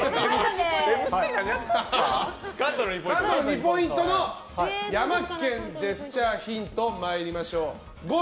関東の２ポイントのヤマケン・ジェスチャーヒント参りましょう。